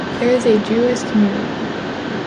There is a Jewish community.